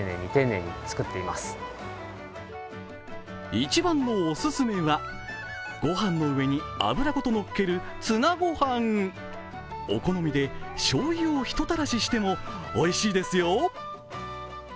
一番のオススメは御飯の上に油ごとのっけるお好みでしょうゆを一垂らししてもおいしいですよ。